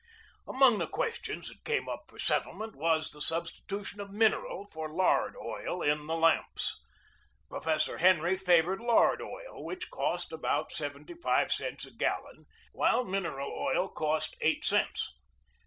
Among the questions that came up for settlement was the substitution of mineral for lard oil in the lamps. Professor Henry favored lard oil, which cost about seventy five cents a gallon, while mineral 150 BUILDING THE NEW NAVY 151 oil cost eight cents.